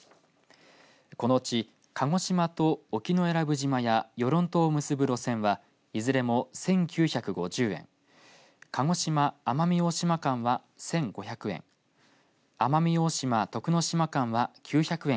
このうち鹿児島と沖永良部島や与論島を結ぶ路線はいずれも１９５０円鹿児島、奄美大島間は１５００円奄美大島、徳之島間は９００円。